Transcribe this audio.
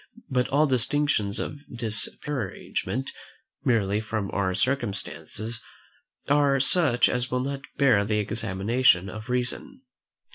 But all distinctions of disparagement, merely from our circumstances, are such as will not bear the examination of reason.